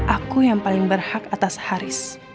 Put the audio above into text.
aku yang paling berhak atas haris